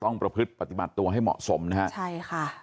ต้องประพฤติปฏิบัติตัวให้เหมาะสมนะครับ